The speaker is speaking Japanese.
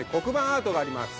アートがあります。